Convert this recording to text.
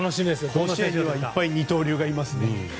甲子園にはいっぱい二刀流がいますからね。